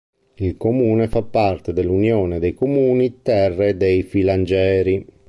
Il comune fa parte dell'Unione dei comuni Terre dei Filangieri.